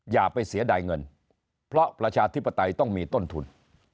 อย่าไปเสียดายเงินเพราะประชาธิปไตยต้องมีต้นทุน